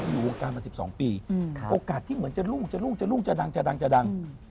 อยู่วงการมา๑๒ปีโอกาสที่เหมือนจะรุ่งจะรุ่งจะรุ่งจะดังจะดังจะดัง